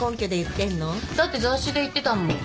だって雑誌で言ってたもん。